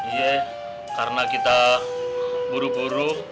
iya karena kita buru buru